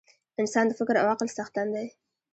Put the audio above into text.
انسان د فکر او عقل څښتن دی.